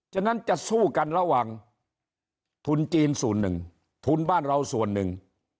ฉะนั้นจะสู้กันระหว่างทุนจีนส่วนหนึ่งทุนบ้านเราส่วนหนึ่ง